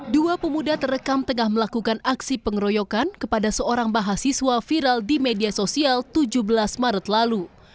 dua pemuda terekam tengah melakukan aksi pengeroyokan kepada seorang mahasiswa viral di media sosial tujuh belas maret lalu